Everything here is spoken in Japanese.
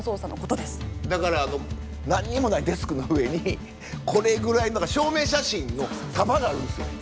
だから何にもないデスクの上にこれぐらいの証明写真の束があるんですよ。